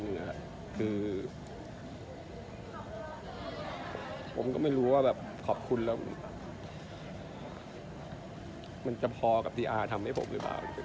คือผมก็ไม่รู้ว่าแบบขอบคุณแล้วมันจะพอกับที่อาทำให้ผมหรือเปล่า